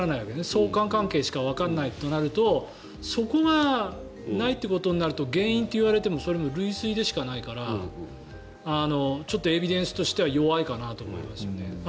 相関関係しかわからないとなるとそこがないということになると原因といわれてもそれは類推でしかないからちょっとエビデンスとしては弱いかなと思いますよね。